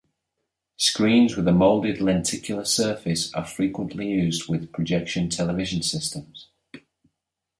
Screens with a molded lenticular surface are frequently used with projection television systems.